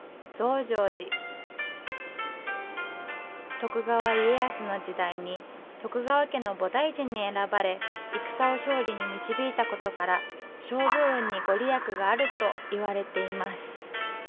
徳川家康の時代に徳川家の菩提寺に選ばれ戦を勝利に導いたことから勝負運に御利益があるといわれています。